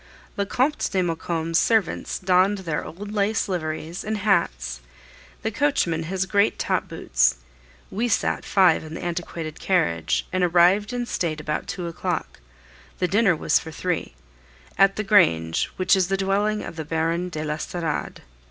The Comte de Maucombe's servants donned their old laced liveries and hats, the coachman his great top boots; we sat five in the antiquated carriage, and arrived in state about two o'clock the dinner was for three at the grange, which is the dwelling of the Baron de l'Estorade.